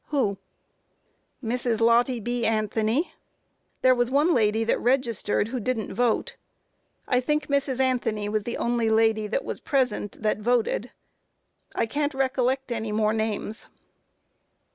Q. Who? A. Mrs. Lottie B. Anthony; there was one lady that registered who didn't vote; I think Mrs. Anthony was the only lady that was present that voted; I can't recollect any more names.